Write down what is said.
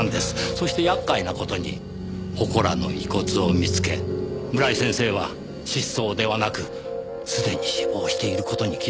そして厄介な事に祠の遺骨を見つけ村井先生は失踪ではなくすでに死亡している事に気づいてしまった。